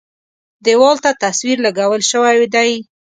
دېوال ته تصویر لګول شوی دی.